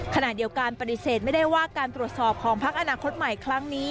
ขณะเดียวกันปฏิเสธไม่ได้ว่าการตรวจสอบของพักอนาคตใหม่ครั้งนี้